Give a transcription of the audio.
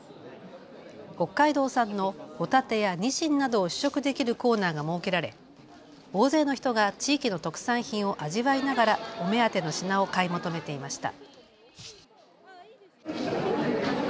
北海道産のホタテやニシンなどを試食できるコーナーが設けられ大勢の人が地域の特産品を味わいながらお目当ての品を買い求めていました。